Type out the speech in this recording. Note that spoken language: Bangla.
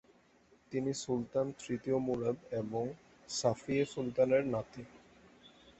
তিনি সুলতান তৃৃৃৃৃতীয় মুরাদ এবং সাফিয়ে সুুুলতানের নাতি।